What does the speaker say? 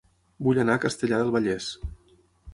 Vull anar a Castellar del Vallès